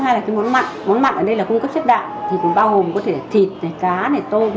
hai là cái món mặn món mặn ở đây là cung cấp chất đạm thì cũng bao gồm có thể thịt này cá này tôm